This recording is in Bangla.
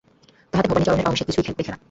তাহাতে ভবানীচরণের অংশে কিছুই লেখে না।